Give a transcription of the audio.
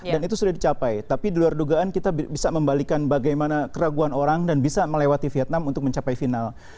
dan itu sudah dicapai tapi diluar dugaan kita bisa membalikan bagaimana keraguan orang dan bisa melewati vietnam untuk mencapai final